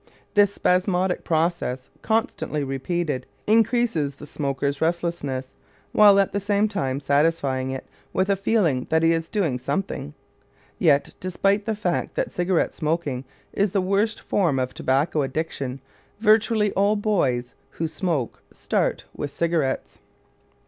This spasmodic process, constantly repeated, increases the smoker's restlessness while at the same time satisfying it with a feeling that he is doing something. Yet despite the fact that cigarette smoking is the worst form of tobacco addiction, virtually all boys who smoke start with cigarettes.